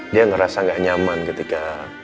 dia ngerasa gak nyaman ketika